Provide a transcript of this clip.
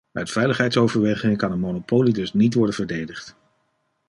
Uit veiligheidsoverwegingen kan een monopolie dus niet worden verdedigd.